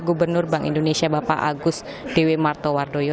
gubernur bank indonesia bapak agus dewi martowardoyo